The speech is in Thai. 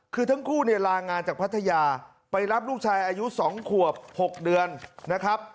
คือทั้งคู่เนี่ยลางานจากพัทยาไปรับลูกชายอายุ๒ขวบ๖เดือนนะครับ